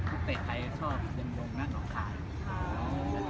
คู้นท่านไหมคุณมาคู่นท่านไหม